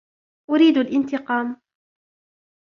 أُريد الإنتقام.